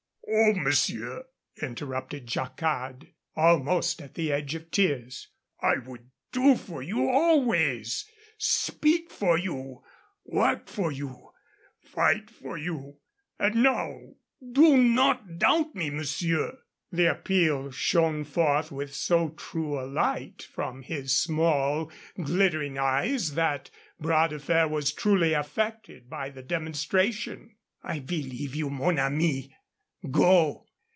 "Oh, monsieur," interrupted Jacquard, almost at the edge of tears, "I would do for you always speak for you, work for you, fight for you and now, do not doubt me, monsieur!" The appeal shone forth with so true a light from his small, glittering eyes that Bras de Fer was truly affected by the demonstration. "I believe you, mon ami. Go.